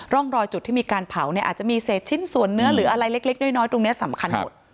ร่องรอยจุดที่มีการเผาเนี่ยอาจจะมีเศษชิ้นส่วนเนื้อหรืออะไรเล็กน้อยตรงนี้สำคัญหมด